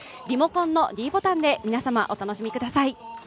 リモコンのｄボタンで皆さん、お楽しみください。